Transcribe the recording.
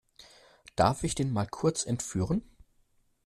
Darf ich den mal kurz entführen?